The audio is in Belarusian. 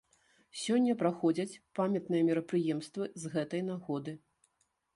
Сёння праходзяць памятныя мерапрыемствы з гэтай нагоды.